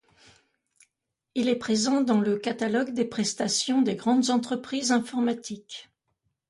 Il est présent dans le catalogue de prestations des grandes entreprises informatiques.